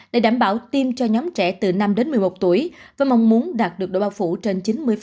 để đảm bảo tiêm cho nhóm trẻ từ năm đến một mươi một tuổi với mong muốn đạt được độ bao phủ trên chín mươi